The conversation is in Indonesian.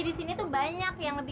abis mau sama siapa lagi